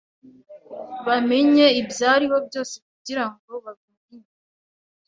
Bamenye ibyariho byose kugirango babimenye.